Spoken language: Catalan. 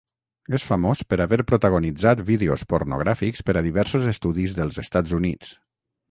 És famós per haver protagonitzat vídeos pornogràfics per a diversos estudis dels Estats Units.